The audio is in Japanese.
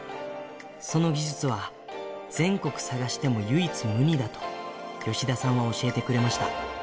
その技術は全国探しても唯一無二だと、吉田さんは教えてくれました。